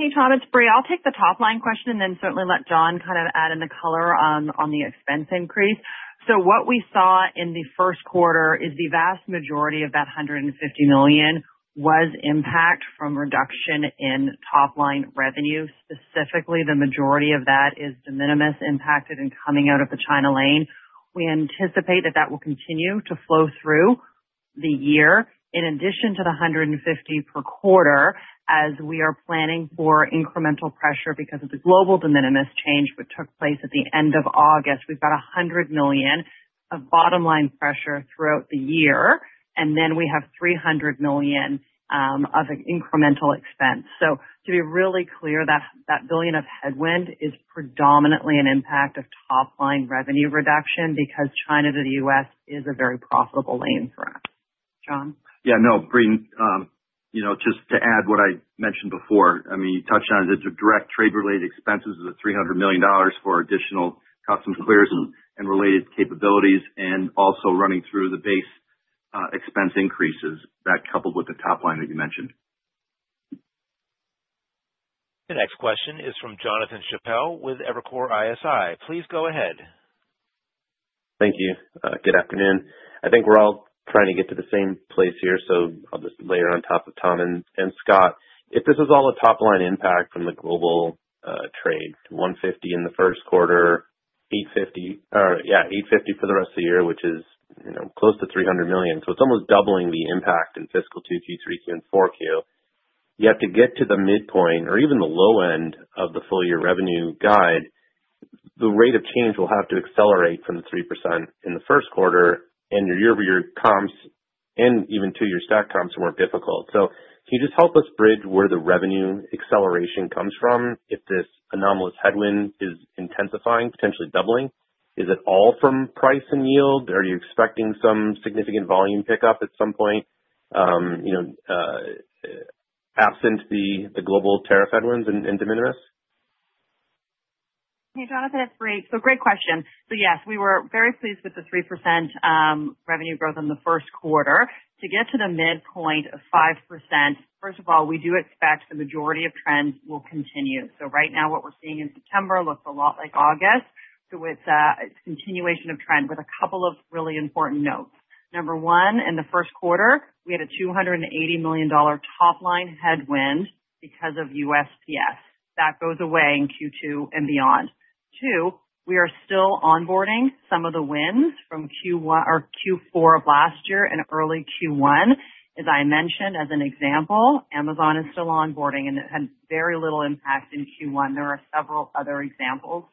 Speaker 4: Hey, Tom, it's Brie. I'll take the top-line question and then certainly let John kind of add in the color on the expense increase. So, what we saw in the first quarter is the vast majority of that $150 million was impact from reduction in top-line revenue. Specifically, the majority of that is de minimis impacted and coming out of the China lane. We anticipate that that will continue to flow through the year. In addition to the $150 million per quarter, as we are planning for incremental pressure because of the global de minimis change which took place at the end of August, we've got $100 million of bottom-line pressure throughout the year, and then we have $300 million of incremental expense. So, to be really clear, that $1 billion of headwind is predominantly an impact of top-line revenue reduction because China to the U.S. is a very profitable lane for us. John?
Speaker 5: Yeah, no, Brie, just to add what I mentioned before. I mean, you touched on it. The direct trade-related expenses are $300 million for additional customs clearance and related capabilities and also running through the base expense increases that, coupled with the top line that you mentioned.
Speaker 1: The next question is from Jonathan Chappell with Evercore ISI. Please go ahead.
Speaker 11: Thank you. Good afternoon. I think we're all trying to get to the same place here, so I'll just layer on top of Tom and Scott. If this is all a top-line impact from the global trade, $150 in the first quarter, $850 for the rest of the year, which is close to $300 million. So it's almost doubling the impact in fiscal Q2, Q3, Q4. You have to get to the midpoint or even the low end of the full-year revenue guide. The rate of change will have to accelerate from the 3% in the first quarter, and your year-over-year comps and even two-year stack comps are more difficult. So can you just help us bridge where the revenue acceleration comes from? If this anomalous headwind is intensifying, potentially doubling, is it all from price and yield? Are you expecting some significant volume pickup at some point absent the global tariff headwinds and de minimis?
Speaker 4: Hey, Jonathan, it's Brie. So great question. So yes, we were very pleased with the 3% revenue growth in the first quarter. To get to the midpoint of 5%, first of all, we do expect the majority of trends will continue. So right now, what we're seeing in September looks a lot like August. So it's a continuation of trend with a couple of really important notes. Number one, in the first quarter, we had a $280 million top-line headwind because of USPS. That goes away in Q2 and beyond. Two, we are still onboarding some of the wins from Q4 of last year and early Q1. As I mentioned, as an example, Amazon is still onboarding, and it had very little impact in Q1. There are several other examples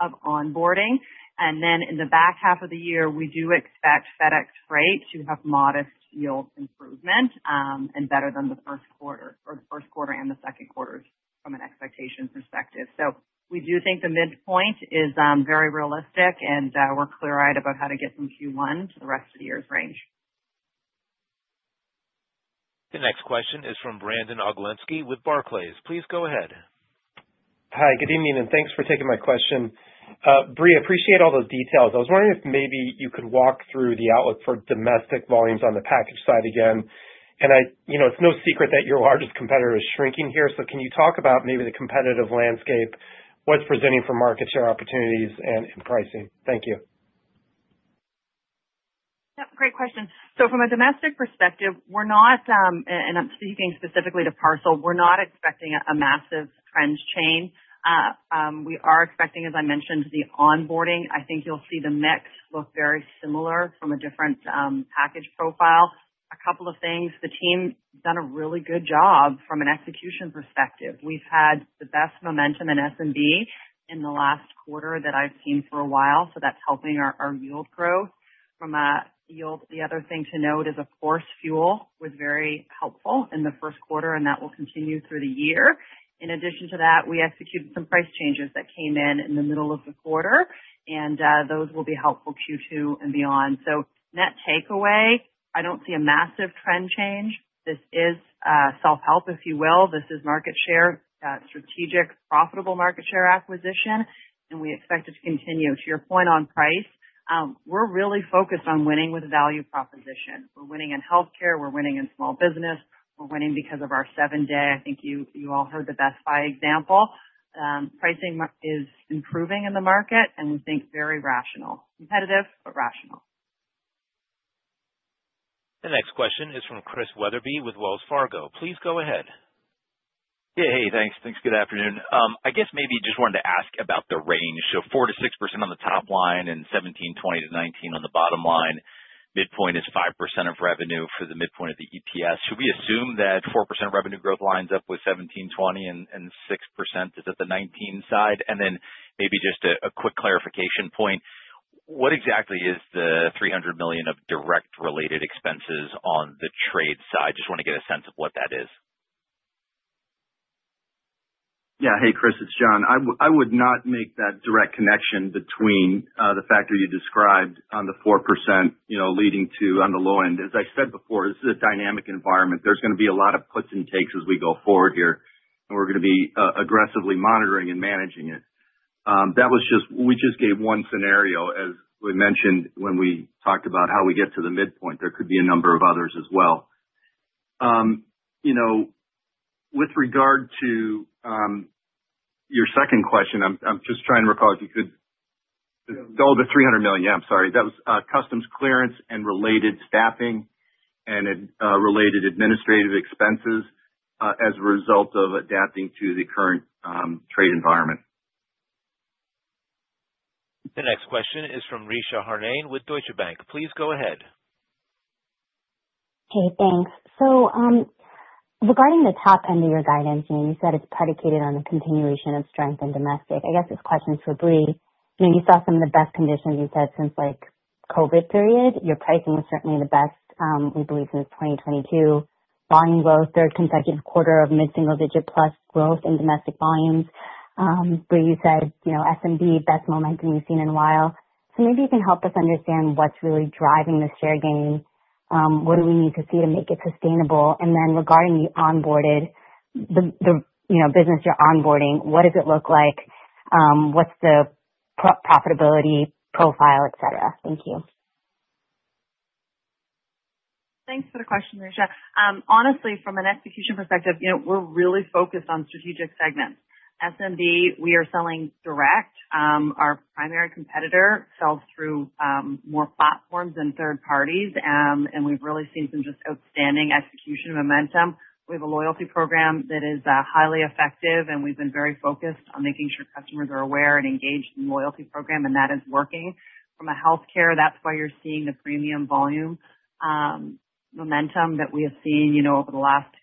Speaker 4: of onboarding. And then in the back half of the year, we do expect FedEx Freight to have modest yield improvement and better than the first quarter or the first quarter and the second quarters from an expectation perspective. So we do think the midpoint is very realistic, and we're clear-eyed about how to get from Q1 to the rest of the year's range.
Speaker 1: The next question is from Brandon Oglenski with Barclays. Please go ahead.
Speaker 12: Hi, good evening, and thanks for taking my question. Brie, I appreciate all the details. I was wondering if maybe you could walk through the outlook for domestic volumes on the package side again, and it's no secret that your largest competitor is shrinking here, so can you talk about maybe the competitive landscape, what's presenting for market share opportunities, and pricing? Thank you.
Speaker 4: Yep, great question. So from a domestic perspective, we're not, and I'm speaking specifically to parcel, we're not expecting a massive trend change. We are expecting, as I mentioned, the onboarding. I think you'll see the mix look very similar from a different package profile. A couple of things. The team has done a really good job from an execution perspective. We've had the best momentum in SMB in the last quarter that I've seen for a while, so that's helping our yield growth. The other thing to note is, of course, fuel was very helpful in the first quarter, and that will continue through the year. In addition to that, we executed some price changes that came in in the middle of the quarter, and those will be helpful Q2 and beyond. So net takeaway, I don't see a massive trend change. This is self-help, if you will. This is market share, strategic, profitable market share acquisition, and we expect it to continue. To your point on price, we're really focused on winning with value proposition. We're winning in healthcare. We're winning in small business. We're winning because of our seven-day. I think you all heard the Best Buy example. Pricing is improving in the market, and we think very rational. Competitive, but rational.
Speaker 1: The next question is from Chris Wetherbee with Wells Fargo. Please go ahead.
Speaker 13: Yeah, hey, thanks. Thanks. Good afternoon. I guess maybe just wanted to ask about the range, so 4%-6% on the top line and $17.20-$19 on the bottom line. Midpoint is 5% of revenue for the midpoint of the EPS. Should we assume that 4% revenue growth lines up with $17.20 and 6%? Is that the $19 side? And then maybe just a quick clarification point. What exactly is the $300 million of direct-related expenses on the trade side? Just want to get a sense of what that is.
Speaker 5: Yeah. Hey, Chris, it's John. I would not make that direct connection between the factor you described on the 4% leading to on the low end. As I said before, this is a dynamic environment. There's going to be a lot of puts and takes as we go forward here, and we're going to be aggressively monitoring and managing it. That was just, we just gave one scenario, as we mentioned when we talked about how we get to the midpoint. There could be a number of others as well. With regard to your second question, I'm just trying to recall if you could go over the $300 million. Yeah, I'm sorry. That was customs clearance and related staffing and related administrative expenses as a result of adapting to the current trade environment.
Speaker 1: The next question is from Richa Harnain with Deutsche Bank. Please go ahead.
Speaker 14: Hey, thanks. So regarding the top end of your guidance, you said it's predicated on the continuation of strength in domestic. I guess this question is for Brie. You saw some of the best conditions you said since COVID period. Your pricing was certainly the best, we believe, since 2022. Volume growth, third consecutive quarter of mid-single-digit plus growth in domestic volumes. Brie, you said SMB, best momentum you've seen in a while. So maybe you can help us understand what's really driving the share gain. What do we need to see to make it sustainable? And then regarding the onboarded, the business you're onboarding, what does it look like? What's the profitability profile, etc.? Thank you.
Speaker 4: Thanks for the question, Richa. Honestly, from an execution perspective, we're really focused on strategic segments. SMB, we are selling direct. Our primary competitor sells through more platforms than third parties, and we've really seen some just outstanding execution momentum. We have a loyalty program that is highly effective, and we've been very focused on making sure customers are aware and engaged in the loyalty program, and that is working. From a healthcare, that's why you're seeing the premium volume momentum that we have seen over the last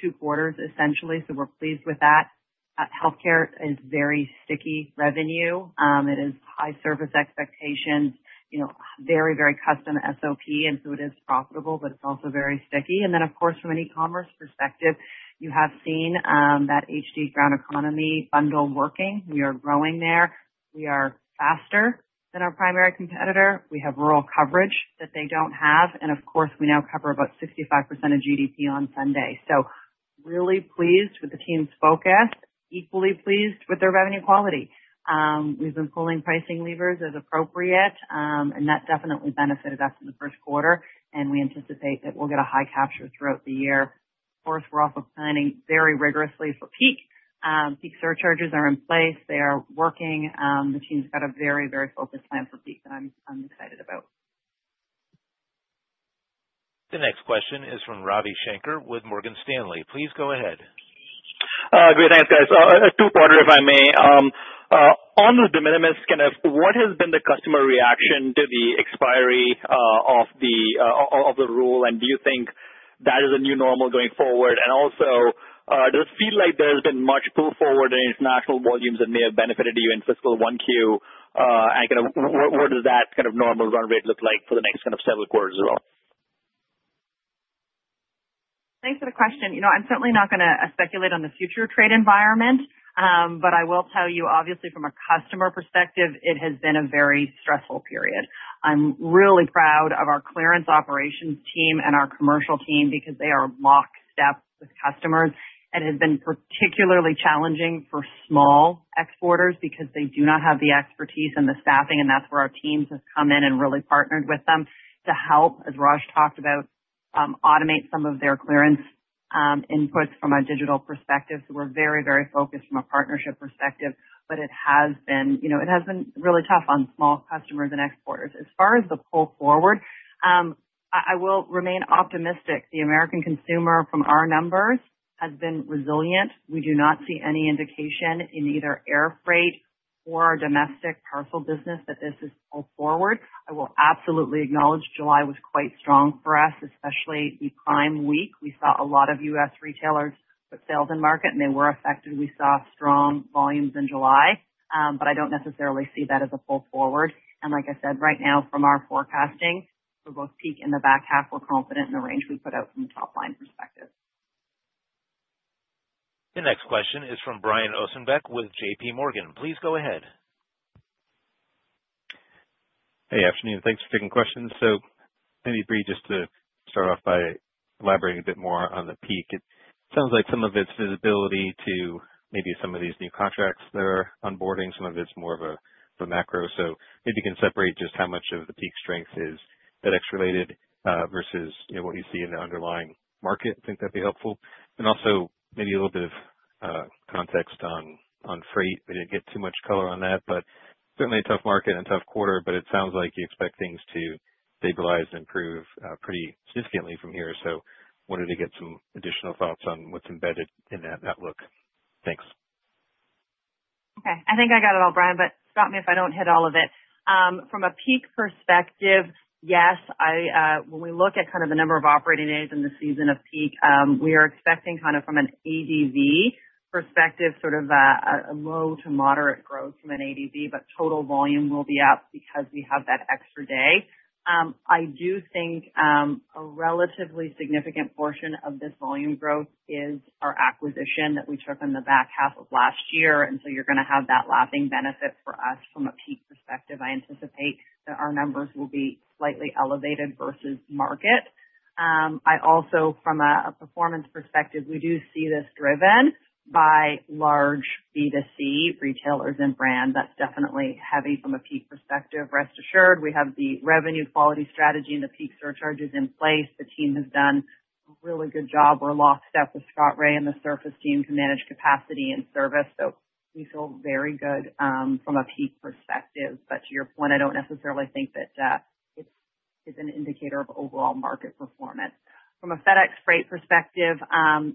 Speaker 4: two quarters, essentially. We're pleased with that. Healthcare is very sticky revenue. It is high service expectations, very, very custom SOP, and so it is profitable, but it's also very sticky. Then, of course, from an e-commerce perspective, you have seen that FedEx Ground Economy bundle working. We are growing there. We are faster than our primary competitor. We have rural coverage that they don't have. And of course, we now cover about 65% of GDP on Sunday. We're really pleased with the team's focus, equally pleased with their revenue quality. We've been pulling pricing levers as appropriate, and that definitely benefited us in the first quarter, and we anticipate that we'll get a high capture throughout the year. Of course, we're also planning very rigorously for peak. Peak surcharges are in place. They are working. The team's got a very, very focused plan for peak that I'm excited about.
Speaker 1: The next question is from Ravi Shankar with Morgan Stanley. Please go ahead. Great.
Speaker 15: Thanks, guys. Two-parter, if I may. On the de minimis, kind of what has been the customer reaction to the expiry of the rule, and do you think that is a new normal going forward? And also, does it feel like there has been much pull forward in international volumes that may have benefited you in fiscal 1Q? And kind of what does that kind of normal run rate look like for the next kind of several quarters as well?
Speaker 4: Thanks for the question. I'm certainly not going to speculate on the future trade environment, but I will tell you, obviously, from a customer perspective, it has been a very stressful period. I'm really proud of our clearance operations team and our commercial team because they are locked step with customers. It has been particularly challenging for small exporters because they do not have the expertise and the staffing, and that's where our teams have come in and really partnered with them to help, as Raj talked about, automate some of their clearance inputs from a digital perspective. So we're very, very focused from a partnership perspective, but it has been, it has been really tough on small customers and exporters. As far as the pull forward, I will remain optimistic. The American consumer from our numbers has been resilient. We do not see any indication in either air freight or domestic parcel business that this is pulled forward. I will absolutely acknowledge July was quite strong for us, especially the Prime week. We saw a lot of U.S. retailers put sales in market, and they were affected. We saw strong volumes in July, but I don't necessarily see that as a pull forward. And like I said, right now, from our forecasting for both peak and the back half, we're confident in the range we put out from a top-line perspective.
Speaker 1: The next question is from Brian Ossenbeck with JPMorgan. Please go ahead.
Speaker 16: Hey, afternoon. Thanks for taking questions. So maybe, Brie, just to start off by elaborating a bit more on the peak. It sounds like some of it's visibility to maybe some of these new contracts that are onboarding. Some of it's more of a macro. So maybe you can separate just how much of the peak strength is FedEx-related versus what you see in the underlying market. I think that'd be helpful. And also maybe a little bit of context on freight. We didn't get too much color on that, but certainly a tough market and tough quarter, but it sounds like you expect things to stabilize and improve pretty significantly from here. So wanted to get some additional thoughts on what's embedded in that outlook. Thanks. Okay.
Speaker 4: I think I got it all, Brian, but stop me if I don't hit all of it. From a peak perspective, yes, when we look at kind of the number of operating days in the season of peak, we are expecting kind of from an ADV perspective, sort of a low to moderate growth from an ADV, but total volume will be up because we have that extra day. I do think a relatively significant portion of this volume growth is our acquisition that we took on the back half of last year. And so you're going to have that lasting benefit for us from a peak perspective. I anticipate that our numbers will be slightly elevated versus market. I also, from a performance perspective, we do see this driven by large B2C retailers and brands. That's definitely heavy from a peak perspective. Rest assured, we have the revenue quality strategy and the peak surcharges in place. The team has done a really good job. We're in lockstep with Scott Ray and the surface team to manage capacity and service. So we feel very good from a peak perspective. But to your point, I don't necessarily think that it's an indicator of overall market performance. From a FedEx Freight perspective,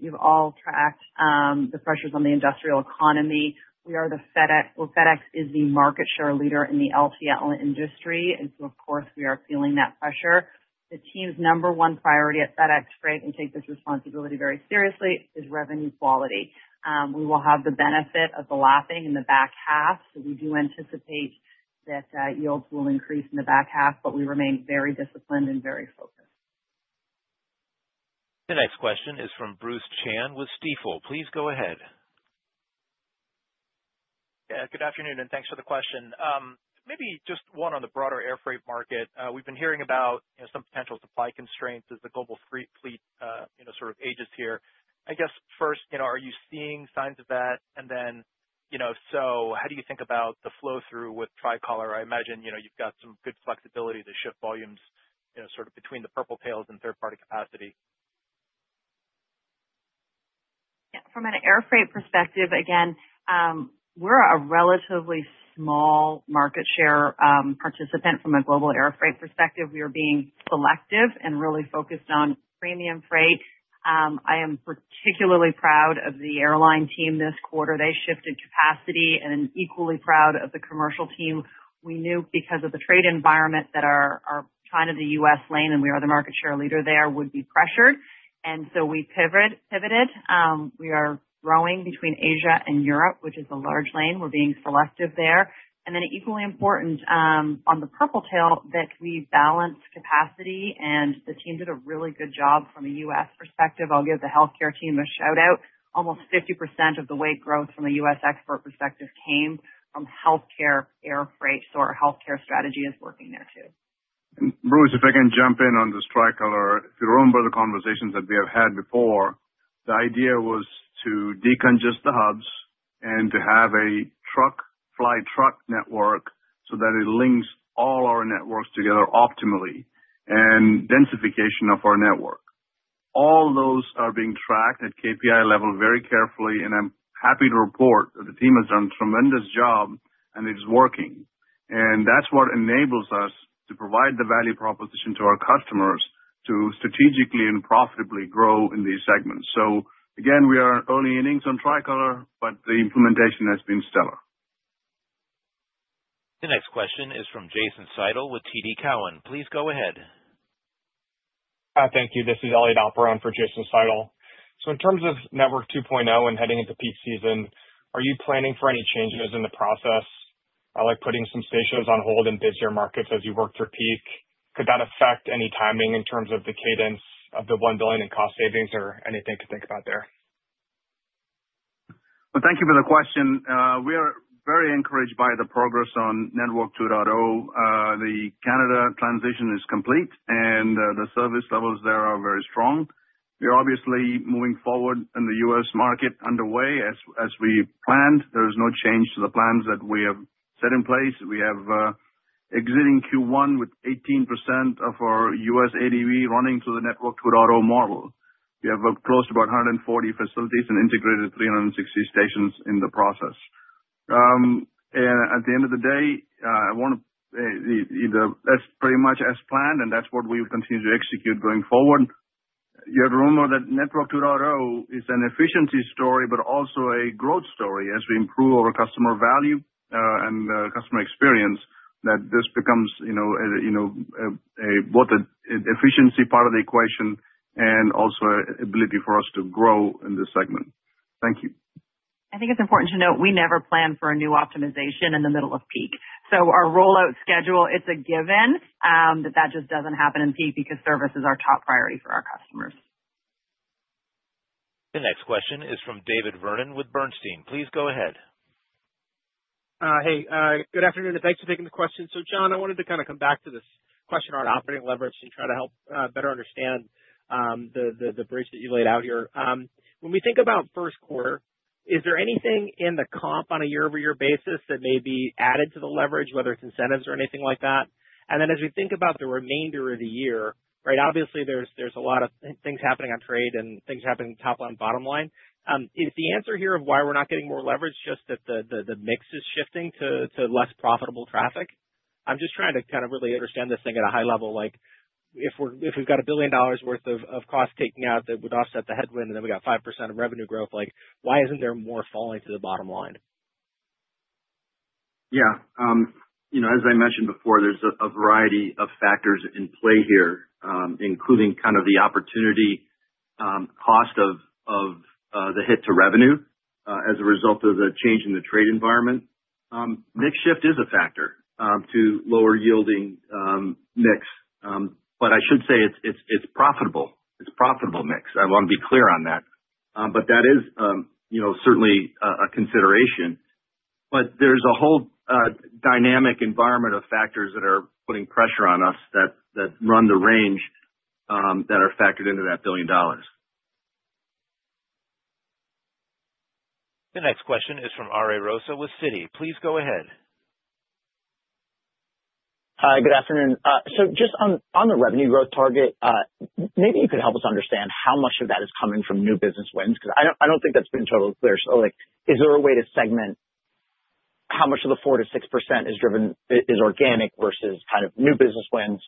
Speaker 4: you've all tracked the pressures on the industrial economy. We are the FedEx. Well, FedEx is the market share leader in the LTL industry. And so, of course, we are feeling that pressure. The team's number one priority at FedEx Freight, and take this responsibility very seriously, is revenue quality. We will have the benefit of the lapping in the back half. So we do anticipate that yields will increase in the back half, but we remain very disciplined and very focused.
Speaker 1: The next question is from Bruce Chan with Stifel. Please go ahead.
Speaker 17: Yeah. Good afternoon, and thanks for the question. Maybe just one on the broader air freight market. We've been hearing about some potential supply constraints as the global freight fleet sort of ages here. I guess first, are you seeing signs of that? And then if so, how do you think about the flow-through with Tricolor? I imagine you've got some good flexibility to shift volumes sort of between the Purple Tail and third-party capacity.
Speaker 4: From an air freight perspective, again, we're a relatively small market share participant from a global air freight perspective. We are being selective and really focused on premium freight. I am particularly proud of the airline team this quarter. They shifted capacity, and I'm equally proud of the commercial team. We knew because of the trade environment that our China to U.S. lane, and we are the market share leader there, would be pressured. And so we pivoted. We are growing between Asia and Europe, which is a large lane. We're being selective there. And then equally important on the Purple Tail that we balance capacity, and the team did a really good job from a U.S. perspective. I'll give the healthcare team a shout-out. Almost 50% of the weight growth from a U.S. export perspective came from healthcare air freight, so our healthcare strategy is working there too.
Speaker 3: Bruce, if I can jump in on the Striker or if you remember the conversations that we have had before, the idea was to decongest the hubs and to have a truck-fly truck network so that it links all our networks together optimally and densification of our network. All those are being tracked at KPI level very carefully, and I'm happy to report that the team has done a tremendous job, and it's working. And that's what enables us to provide the value proposition to our customers to strategically and profitably grow in these segments. So again, we are early innings on Tricolor, but the implementation has been stellar.
Speaker 1: The next question is from Jason Seidl with TD Cowen. Please go ahead.
Speaker 18: Hi, thank you. This is Elliot Alper for Jason Seidl. So in terms of Network 2.0 and heading into peak season, are you planning for any changes in the process, like putting some stations on hold in busier markets as you work through peak? Could that affect any timing in terms of the cadence of the $1 billion in cost savings or anything to think about there?
Speaker 3: Well, thank you for the question. We are very encouraged by the progress on Network 2.0. The Canada transition is complete, and the service levels there are very strong. We are obviously moving forward in the U.S. market underway as we planned. There is no change to the plans that we have set in place. We exited Q1 with 18% of our U.S. ADV running through the Network 2.0 model. We have close to about 140 facilities and integrated 360 stations in the process. And at the end of the day, I want to—that's pretty much as planned, and that's what we will continue to execute going forward. You have to remember that Network 2.0 is an efficiency story, but also a growth story as we improve our customer value and customer experience, that this becomes both an efficiency part of the equation and also an ability for us to grow in this segment. Thank you.
Speaker 4: I think it's important to note we never plan for a new optimization in the middle of peak. So our rollout schedule, it's a given that that just doesn't happen in peak because services are top priority for our customers.
Speaker 1: The next question is from David Vernon with Bernstein. Please go ahead.
Speaker 19: Hey. Good afternoon, and thanks for taking the question. So John, I wanted to kind of come back to this question on operating leverage and try to help better understand the bridge that you laid out here. When we think about first quarter, is there anything in the comp on a year-over-year basis that may be added to the leverage, whether it's incentives or anything like that? And then as we think about the remainder of the year, right, obviously there's a lot of things happening on trade and things happening in the top line and bottom line. Is the answer here of why we're not getting more leverage just that the mix is shifting to less profitable traffic? I'm just trying to kind of really understand this thing at a high level. If we've got $1 billion worth of cost taking out that would offset the headwind, and then we got 5% of revenue growth, why isn't there more falling to the bottom line?
Speaker 5: Yeah. As I mentioned before, there's a variety of factors in play here, including kind of the opportunity cost of the hit to revenue as a result of the change in the trade environment. Mix shift is a factor to lower yielding mix, but I should say it's profitable. It's a profitable mix. I want to be clear on that. But that is certainly a consideration. But there's a whole dynamic environment of factors that are putting pressure on us that run the range that are factored into that $1 billion.
Speaker 1: The next question is from Ari Rosa with Citi. Please go ahead.
Speaker 20: Hi, good afternoon. So just on the revenue growth target, maybe you could help us understand how much of that is coming from new business wins because I don't think that's been totally clear. So is there a way to segment how much of the 4%-6% is organic versus kind of new business wins?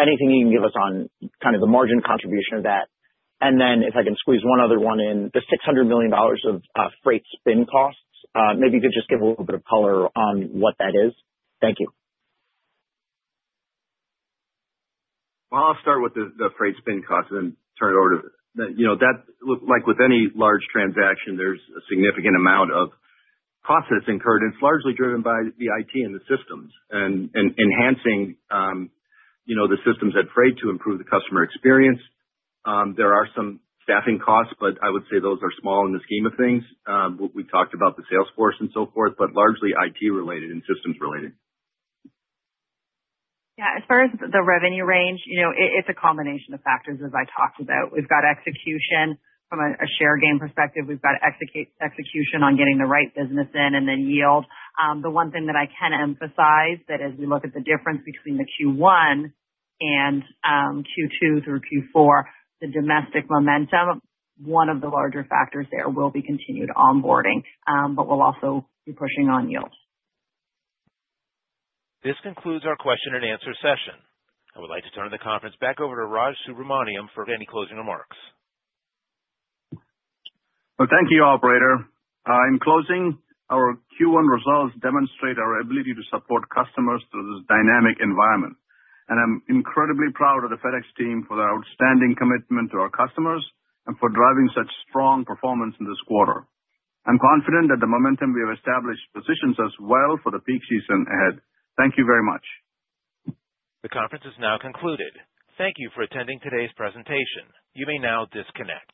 Speaker 20: Anything you can give us on kind of the margin contribution of that. And then if I can squeeze one other one in, the $600 million of freight spin costs, maybe you could just give a little bit of color on what that is. Thank you.
Speaker 5: Well, I'll start with the freight spin costs and then turn it over to that. Like with any large transaction, there's a significant amount of costs incurred. It's largely driven by the IT and the systems and enhancing the systems at freight to improve the customer experience. There are some staffing costs, but I would say those are small in the scheme of things. We talked about the sales force and so forth, but largely IT-related and systems-related.
Speaker 4: Yeah. As far as the revenue range, it's a combination of factors, as I talked about. We've got execution from a share gain perspective. We've got execution on getting the right business in and then yield. The one thing that I can emphasize is that as we look at the difference between the Q1 and Q2 through Q4, the domestic momentum, one of the larger factors there will be continued onboarding, but we'll also be pushing on yield.
Speaker 1: This concludes our question-and-answer session. I would like to turn the conference back over to Raj Subramaniam for any closing remarks.
Speaker 3: Well, thank you, Operator. In closing, our Q1 results demonstrate our ability to support customers through this dynamicenvironment. I'm incredibly proud of the FedEx team for their outstanding commitment to our customers and for driving such strong performance in this quarter. I'm confident that the momentum we have established positions us well for the peak season ahead. Thank you very much.
Speaker 1: The conference is now concluded. Thank you for attending today's presentation. You may now disconnect.